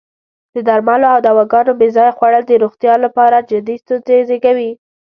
د درملو او دواګانو بې ځایه خوړل د روغتیا لپاره جدی ستونزې زېږوی.